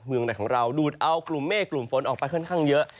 ในของเราดูดเอากลุ่มเมฆกลุ่มฝนออกไปค่อนข้างเยอะ